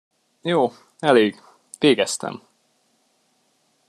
Jó, elég, végeztem!